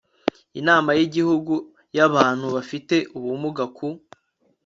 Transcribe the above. Inama y Igihugu y abantu bafite ubumuga ku